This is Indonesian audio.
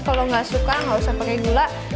kalau nggak suka nggak usah pakai gula